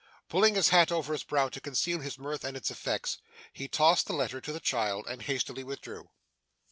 Pulling his hat over his brow to conceal his mirth and its effects, he tossed the letter to the child, and hastily withdrew.